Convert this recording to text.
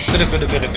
tidur tidur gedug